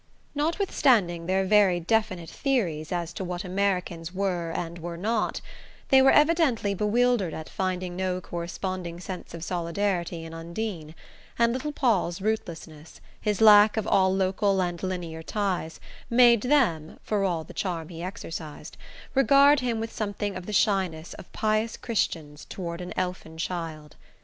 Notwithstanding their very definite theories as to what Americans were and were not, they were evidently bewildered at finding no corresponding sense of solidarity in Undine; and little Paul's rootlessness, his lack of all local and linear ties, made them (for all the charm he exercised) regard him with something of the shyness of pious Christians toward an elfin child.